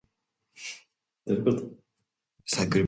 インバウンド